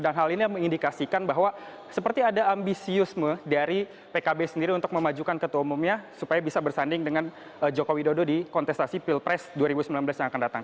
dan hal ini mengindikasikan bahwa seperti ada ambisiusme dari pkb sendiri untuk memajukan ketua umumnya supaya bisa bersanding dengan jokowi dodo di kontestasi pilpres dua ribu sembilan belas yang akan datang